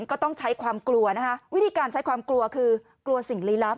ก็ต้องใช้ความกลัวนะคะวิธีการใช้ความกลัวคือกลัวสิ่งลี้ลับ